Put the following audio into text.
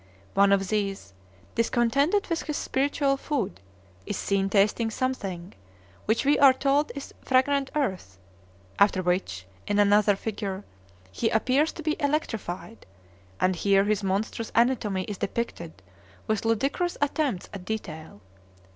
One of these, discontented with his spiritual food, is seen tasting something, which we are told is "fragrant earth"; after which, in another figure, he appears to be electrified, and here his monstrous anatomy is depicted with ludicrous attempts at detail.